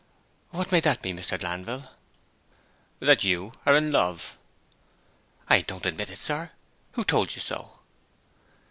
'What may that be, Mr. Glanville?' 'That you are in love.' 'I don't admit it, sir. Who told you so?'